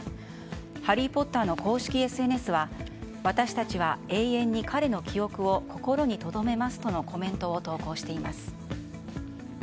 「ハリー・ポッター」の公式ＳＮＳは私たちは永遠に彼の記憶を心に留めますとのコメントを投稿しています。